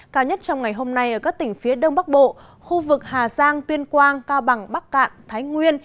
cao nhất trong ngày hôm nay ở các tỉnh phía đông bắc bộ khu vực hà giang tuyên quang cao bằng bắc cạn thái nguyên